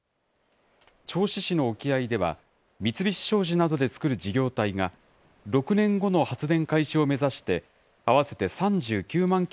銚子市の沖合では、三菱商事などで作る事業体が６年後の発電開始を目指して合わせて３９万